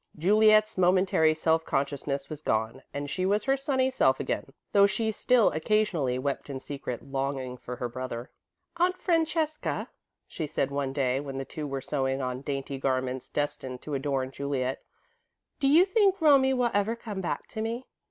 Juliet's momentary self consciousness was gone, and she was her sunny self again, though she still occasionally wept in secret, longing for her brother. "Aunt Francesca," she said, one day, when the two were sewing on dainty garments destined to adorn Juliet, "do you think Romie will ever come back to me?"